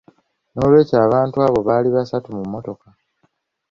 N’olw'ekyo abantu abo baali basatu mu mmotoka.